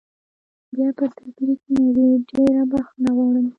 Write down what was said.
بیا به تکلیف نه وي، ډېره بخښنه غواړم.